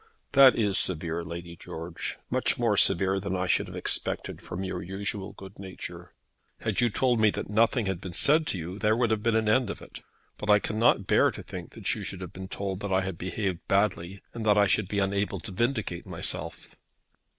"That is severe, Lady George; much more severe than I should have expected from your usual good nature. Had you told me that nothing had been said to you, there would have been an end of it. But I cannot bear to think that you should have been told that I had behaved badly, and that I should be unable to vindicate myself."